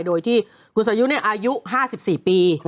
โดยที่คุณสายุอายุ๕๔ปี